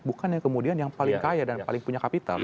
bukannya kemudian yang paling kaya dan paling punya kapital